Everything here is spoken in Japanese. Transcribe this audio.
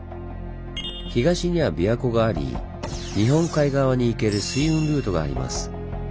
東には琵琶湖があり日本海側に行ける水運ルートがあります。